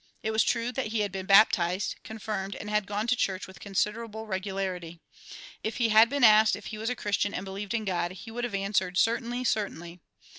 It was true that he had been baptized, confirmed, and had gone to church with considerable regularity. If he had been asked if he was a Christian and believed in God he would have answered "Certainly, certainly."